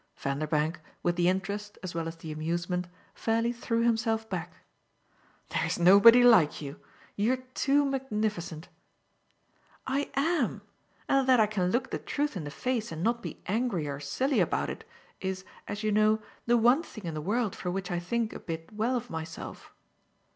Vanderbank, with the interest as well as the amusement, fairly threw himself back. "There's nobody like you you're too magnificent!" "I AM; and that I can look the truth in the face and not be angry or silly about it is, as you know, the one thing in the world for which I think a bit well of myself."